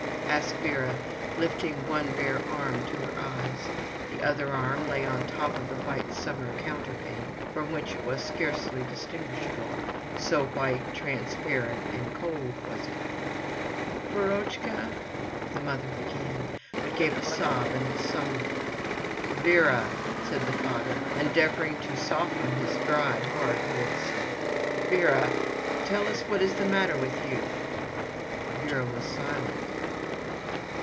asked Vera, lifting one bare arm to her eyes. The other arm lay on the top of the white summer counterpane, from which it was scarcely distinguishable, so white, transparent and cold was it. "Verochka!" the mother began, but gave a sob and was silent. "Vera!" said the father, endeavouring to soften his dry, hard voice. "Vera, tell us what is the matter with you?" Vera was silent.